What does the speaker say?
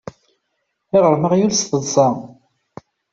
Iɣrem aɣyul s teḍṣa.